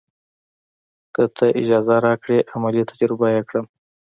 که تۀ اجازه راکړې عملي تجربه یې کړم.